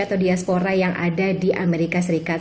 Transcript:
atau diaspora yang ada di amerika serikat